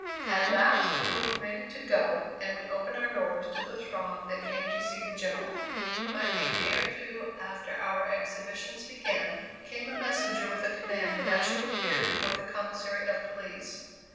At last we were permitted to go, and we opened our doors to the throng that came to see the General. But a day or two after our exhibitions began, came a messenger with a command that I should appear before the Commissary of Police.